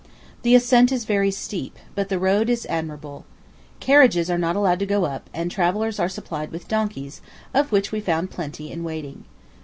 The ascent is very steep, but the road is admirable. Carriages are not allowed to go up, and travellers are supplied with donkeys, of which we found plenty in waiting.